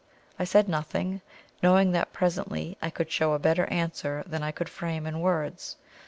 I said nothing, knowing that presently I could show a better answer than I could frame in words.